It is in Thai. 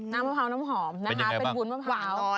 มะพร้าวน้ำหอมนะคะเป็นวุ้นมะพร้าว